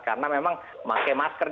karena memang memakai masker